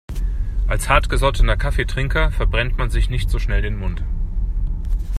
Als hartgesottener Kaffeetrinker verbrennt man sich nicht so schnell den Mund.